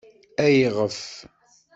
Ayɣef?